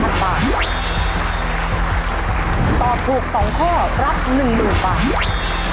ถ้าตอบถูก๒ข้อรับ๑๐๐๐๐๐๐บาท